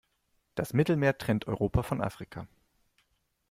Das Mittelmeer trennt Europa von Afrika.